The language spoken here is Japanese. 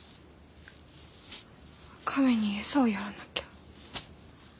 亀に餌をやらなきゃ。